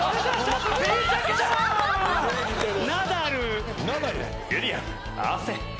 ナダル。